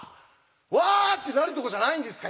ワッてなるとこじゃないんですか？